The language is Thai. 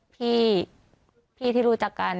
พี่ที่รู้จักกัน